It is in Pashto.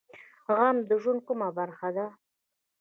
غم د ژوند کومه برخه ده؟